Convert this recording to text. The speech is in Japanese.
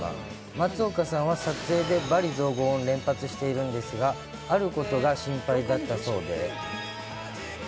松岡さんは撮影でばり雑言を連発しているんですが、あることが心配だったそうで。